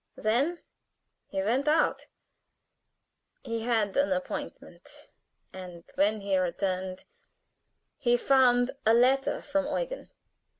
Then he went out: he had an appointment, and when he returned he found a letter from Eugen.